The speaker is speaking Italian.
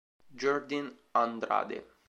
Jordin Andrade